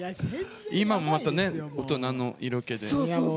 今もまた大人の色気で。